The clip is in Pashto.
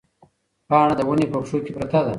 پاڼه د ونې په پښو کې پرته ده.